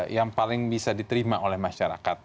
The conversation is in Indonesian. yang paling bisa diterima oleh masyarakat